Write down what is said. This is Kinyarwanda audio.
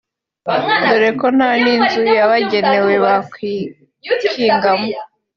dore ko nta n’inzu yabagenewe bakwikingamo